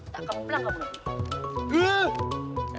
tak keplah kamu lagi